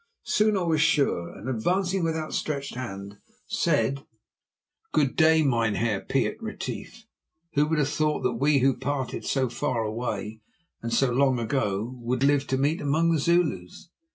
Soon I was sure, and advancing with outstretched hand, said: "Good day, Mynheer Piet Retief. Who would have thought that we who parted so far away and so long ago would live to meet among the Zulus?"